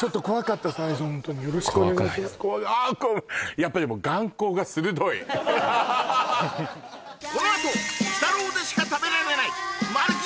やっぱりもうこのあと木多郎でしか食べられないマル秘